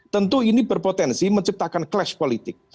tentu ini berpotensi menciptakan clash politik